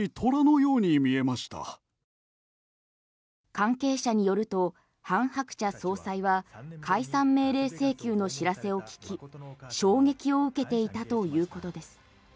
関係者によるとハン・ハクチャ総裁は解散命令請求の知らせを聞き衝撃を受けていたということです。